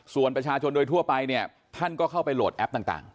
ส่วนประชาชนโดยทั่วไปเนี่ยท่านก็เข้าไปโหลดแอปต่าง